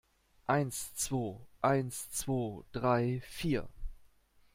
Eins zwo, eins zwo drei vier!